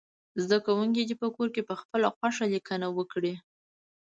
زده کوونکي دې په کور کې پخپله خوښه لیکنه وکړي.